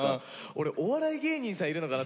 俺お笑い芸人さんいるのかなと。